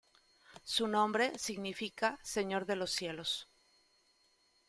Su nombre, significa "Señor de los cielos".